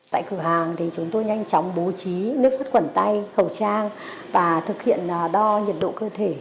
tại cửa hàng thì chúng tôi nhanh chóng bố trí nước sắt quẩn tay khẩu trang và thực hiện đo nhiệt độ cơ thể